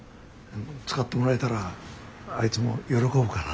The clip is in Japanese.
使ってもらえたらあいつも喜ぶから。